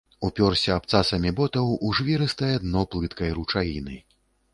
Упёрся абцасамі ботаў у жвірыстае дно плыткай ручаіны.